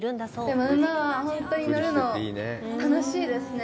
でも、馬は本当に乗るの楽しいですね。